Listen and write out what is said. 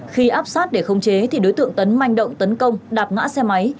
khi áp sát để khống chế thì đối tượng tấn manh động tấn công đạp ngã xe máy